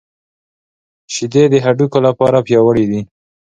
شیدې د هډوکو لپاره پياوړې دي